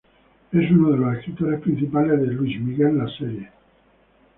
Es uno de los escritores principales de "Luis Miguel la serie"